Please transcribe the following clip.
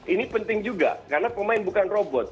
ini penting juga karena pemain bukan robot